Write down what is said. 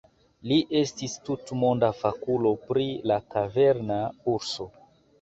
Li estis tutmonda fakulo pri la kaverna urso.